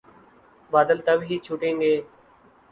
بادل تب ہی چھٹیں گے۔